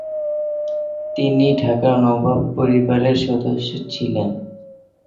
তিনি ঢাকার নবাব পরিবারের সদস্য ছিলেন।